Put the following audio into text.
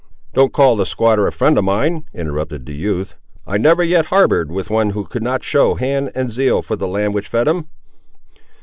"Don't call the squatter a friend of mine!" interrupted the youth. "I never yet harboured with one who could not show hand and zeal for the land which fed him."